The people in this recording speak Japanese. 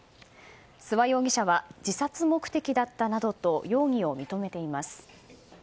諏訪容疑者は自殺目的だったなどと容疑を認めています。